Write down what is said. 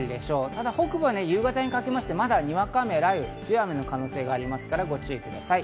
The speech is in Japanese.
ただ北部は夕方にかけてまだ、にわか雨や雷雨、強い雨の可能性があります、ご注意ください。